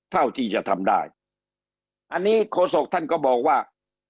เท่าที่จะทำได้อันนี้โฆษกท่านก็บอกว่า